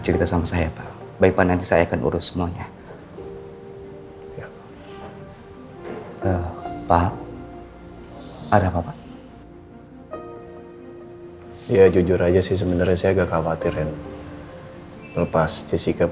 rose mau siapin bokap